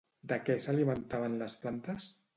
De què s'alimentaven les plantes?